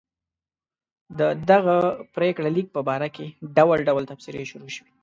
د دغه پرېکړه لیک په باره کې ډول ډول تبصرې شروع شوې.